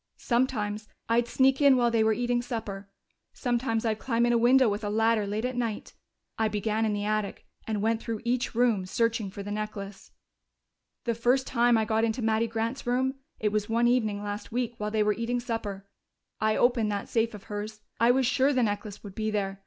Sometimes I'd sneak in while they were eating supper; sometimes I'd climb in a window with a ladder late at night. I began in the attic and went through each room, searching for the necklace. "The first time I got into Mattie Grant's room it was one evening last week, while they were eating supper I opened that safe of hers. I was sure the necklace would be there.